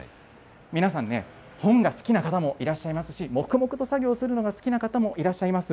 皆さんね、本が好きな方もいらっしゃいますし、黙々と作業するのが好きな方もいらっしゃいます。